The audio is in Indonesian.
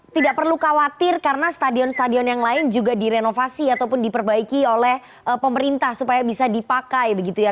tidak perlu khawatir karena stadion stadion yang lain juga direnovasi ataupun diperbaiki oleh pemerintah supaya bisa dipakai begitu ya